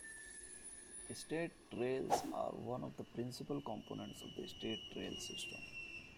"State Trails" are one of the principal components of the State Trail System.